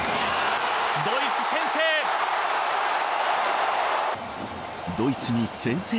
ドイツ先制。